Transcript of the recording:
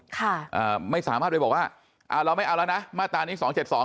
ค่ะอ่าไม่สามารถไปบอกว่าอ่าเราไม่เอาแล้วนะมาตรานี้สองเจ็ดสอง